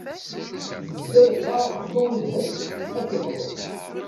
Yezga yeqqar xḍu lhem ad k-yexḍu.